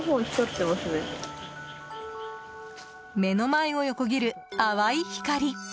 目の前を横切る淡い光。